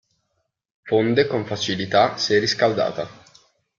Fonde con facilità se riscaldata.